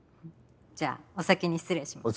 じゃあお先に失礼します。